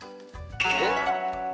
えっ？